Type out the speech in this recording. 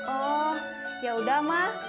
oh yaudah ma